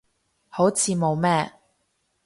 好似冇咩